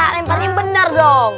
lemparin bener dong